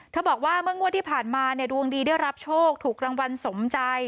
บอกว่าเมื่องวดที่ผ่านมาเนี่ยดวงดีได้รับโชคถูกรางวัลสมใจ